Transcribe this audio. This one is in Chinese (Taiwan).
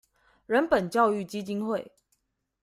人本教育基金會